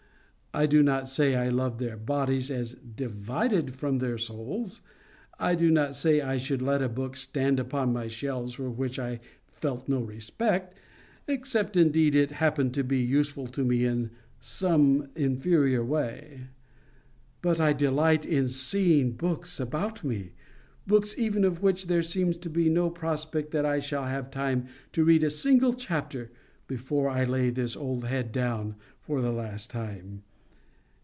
I do not say I love their bodies as DIVIDED from their souls; I do not say I should let a book stand upon my shelves for which I felt no respect, except indeed it happened to be useful to me in some inferior way. But I delight in seeing books about me, books even of which there seems to be no prospect that I shall have time to read a single chapter before I lay this old head down for the last time.